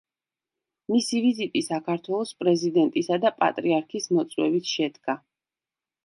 მისი ვიზიტი საქართველოს პრეზიდენტისა და პატრიარქის მოწვევით შედგა.